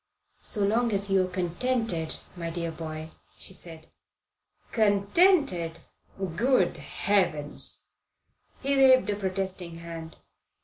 "So long as you're contented, my dear boy " she said. "Contented? Good heavens!" He waved a protesting hand.